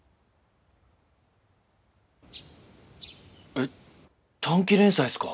えっ短期連載っすか？